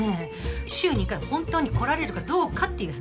週２回本当に来られるかどうかっていう話。